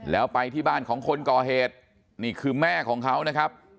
แล้วไปที่บ้านของคนก่อเหตุนี่คือแม่ของเขานะครับ